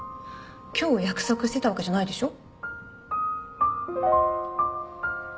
今日約束してたわけじゃないでしょ。